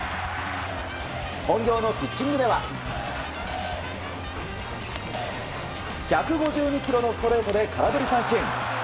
本業のピッチングでは１５２キロのストレートで空振り三振。